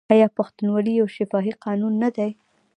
آیا پښتونولي یو شفاهي قانون نه دی؟